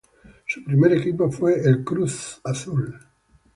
Su primer equipo fue el Cruz Azul.